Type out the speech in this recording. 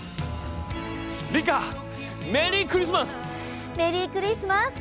リカメリークリスマス！